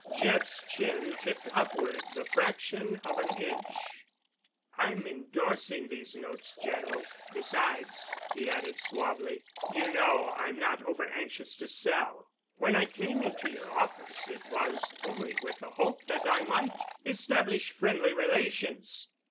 Jeff's chin tipped upward the fraction of an inch. "I'm endorsing these notes, General. Besides," he added suavely, "you know I'm not overanxious to sell. When I came into your office it was only with the hope that I might establish friendly relations.